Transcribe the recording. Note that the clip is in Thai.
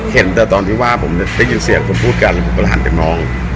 เห็นแต่ตอนที่ว่าผมได้ยินเสียงคนพูดกันแล้วผมก็หันไปมอง